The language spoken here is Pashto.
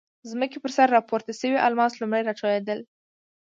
ځمکې پر سر راپورته شوي الماس لومړی راټولېدل.